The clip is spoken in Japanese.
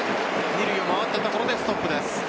二塁を回ったところでストップです。